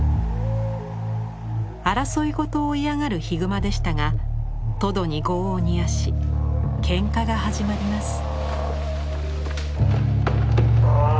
争いごとを嫌がるヒグマでしたがトドに業を煮やし喧嘩が始まります。